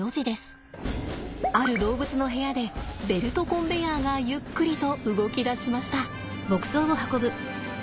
ある動物の部屋でベルトコンベヤーがゆっくりと動き出しました。